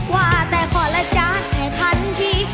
ว่าแต่ขอละจานให้ทันที